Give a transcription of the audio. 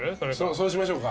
そうしましょうか。